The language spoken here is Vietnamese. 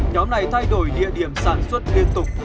nhóm này thay đổi địa điểm sản xuất liên tục